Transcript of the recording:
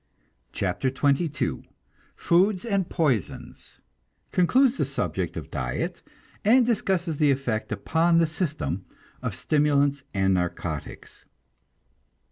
CHAPTER XXII FOODS AND POISONS (Concludes the subject of diet, and discusses the effect upon the system of stimulants and narcotics.)